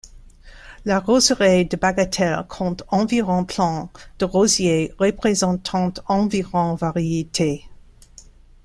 La roseraie de Bagatelle compte environ plants de rosiers représentant environ variétés.